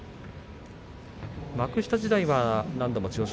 幕下時代は何度も千代翔